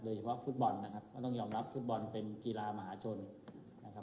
เฉพาะฟุตบอลนะครับก็ต้องยอมรับฟุตบอลเป็นกีฬามหาชนนะครับ